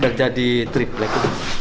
udah jadi triplek